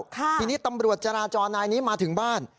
ทีนี้ตำรวจจราจรนายนี้มาถึงบ้าน